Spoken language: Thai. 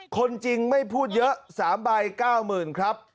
คนจริงไม่พูดเยอะ๓ใบ๙๐๐๐ครับ